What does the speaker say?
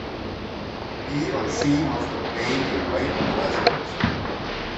He or she must obtain a right of residence.